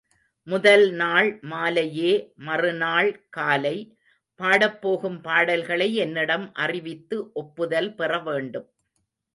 முதல் நாள் மாலையே, மறுநாள் காலை பாடப்போகும் பாடல்களை என்னிடம் அறிவித்து ஒப்புதல் பெறவேண்டும்.